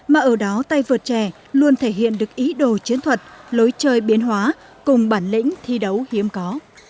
mà ở đó tay vượt trẻ luôn thể hiện được ý đồ chiến thuật lối chơi biến hóa cùng bản lĩnh thi đấu hiếm có